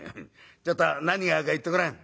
ちょっと何があるか言ってごらん」。